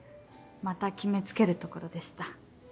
また決め付けるところでした。